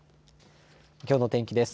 きょうの天気です。